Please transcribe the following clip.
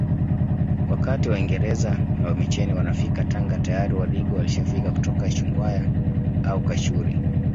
Wakati waingereza na wamisheni wanafika Tanga tayari wadigo walishafika kutoka Shungwaya au kashuri